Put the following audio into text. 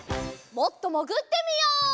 もっともぐってみよう！